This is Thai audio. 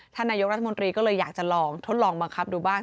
นายกรัฐมนตรีก็เลยอยากจะลองทดลองบังคับดูบ้าง